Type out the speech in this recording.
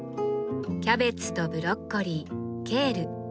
キャベツとブロッコリーケール。